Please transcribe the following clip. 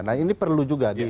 nah ini perlu juga